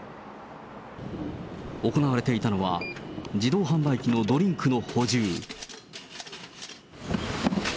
行われていたのは、自動販売機のドリンクの補充。